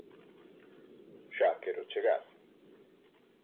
Xa quero chegar.